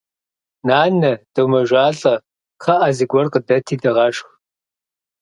Нанэ, домэжалӏэ, кхъыӏэ, зыгуэр къыдэти дыгъэшх!